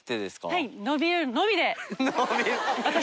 はい。